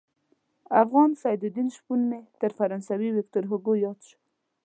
افغان سعدالدین شپون مې تر فرانسوي ویکتور هوګو ياد شو.